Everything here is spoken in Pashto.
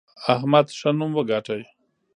احمد ښه نوم وګاټه.